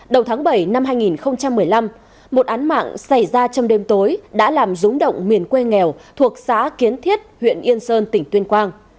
đầu tháng bảy năm hai nghìn một mươi năm một án mạng xảy ra trong đêm tối đã làm rúng động miền quê nghèo thuộc xã kiến thiết huyện yên sơn tỉnh tuyên quang